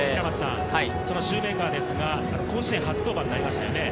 シューメーカーですが、甲子園初登板になりましたね。